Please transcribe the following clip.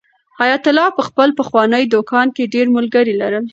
حیات الله په خپل پخواني دوکان کې ډېر ملګري لرل.